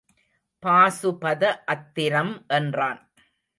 பாசுபத அத்திரம் என்றான்.